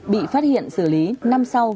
bị phát hiện xử lý năm sau